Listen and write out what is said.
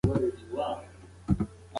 ورځ کې اته ګیلاسه اوبه وڅښئ.